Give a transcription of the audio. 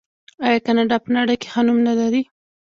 آیا کاناډا په نړۍ کې ښه نوم نلري؟